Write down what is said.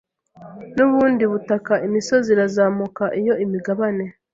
nubundi butaka Imisozi irazamuka iyo imigabane